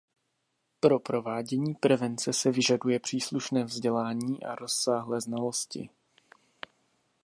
Pro provádění prevence se vyžaduje příslušné vzdělání a rozsáhlé znalosti.